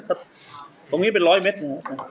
ตรงนี้เป็นร้อยเมตร